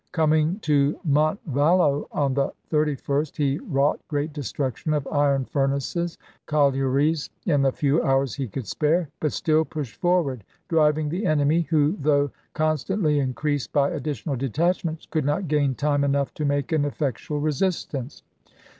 Coming to Montevallo on the 31st, he wrought great destruction of iron furnaces and collieries in the few hours he could spare ; but still pushed forward, driving the enemy, who, though con stantly increased by additional detachments, could not gain time enough to make an effectual resist ance.